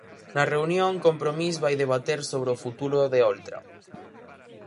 Na reunión, Compromís vai debater sobre o futuro de Oltra.